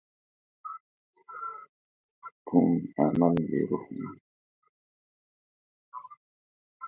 کوږ عمل بې روح وي